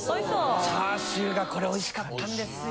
チャーシューがこれ美味しかったんですよ。